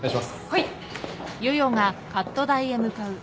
はい。